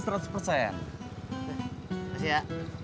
terima kasih ya